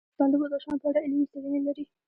افغانستان د بدخشان په اړه علمي څېړنې لري.